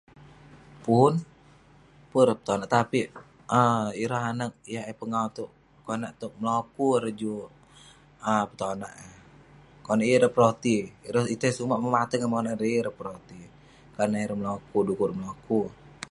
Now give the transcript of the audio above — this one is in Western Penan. Pun. Pun ireh petonak tapik um ireh anag yah eh pengawu itouk konak tog meloku ireh juk um petonak eh, konak yeng ireh peroti. Ireh itei sumak memateng eh monak ireh, yeng ireh peroti. Karna ireh meloku dekuk ireh meloku.